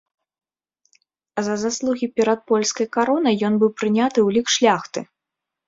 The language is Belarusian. За заслугі перад польскай каронай ён быў прыняты ў лік шляхты.